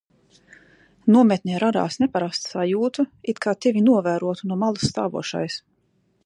Nometnē radās neparasta sajūta, it kā tevi novērotu no malas stāvošais.